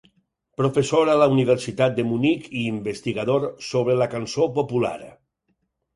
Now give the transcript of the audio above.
Professor a la Universitat de Munic i investigador sobre la cançó popular.